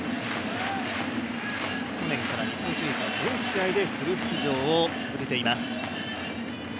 去年から日本シリーズは全試合でフル出場を続けています。